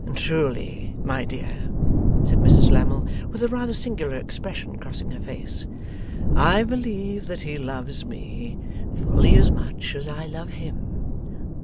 'Truly, my dear,' said Mrs Lammle, with a rather singular expression crossing her face. 'I believe that he loves me, fully as much as I love him.